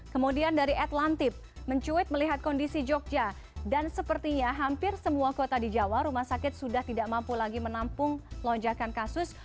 kemudian dari atlantip mencuit melihat kondisi jogja dan sepertinya hampir semua kota di jawa rumah sakit sudah tidak mampu lagi menampung lonjakan kasus